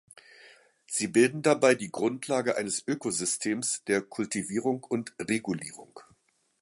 Sie bilden dabei die Grundlage eines Ökosystems der Kultivierung und Regulierung.